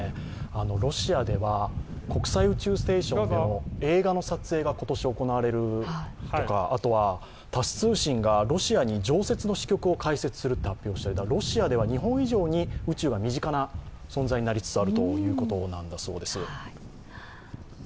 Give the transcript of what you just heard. ロシアでは、国際宇宙ステーションでの映画の撮影が今年行われるとか、ロシアではタス通信が常設の支局を開設すると発表されてロシアでは日本以上に宇宙が身近な存在になりつつあるということなんだそうです。